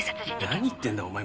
何言ってんだお前。